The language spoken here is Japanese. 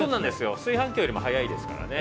炊飯器より早いですからね。